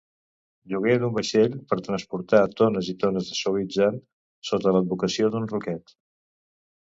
Lloguer d'un vaixell per transportar tones i tones de suavitzant sota l'advocació d'un ruquet.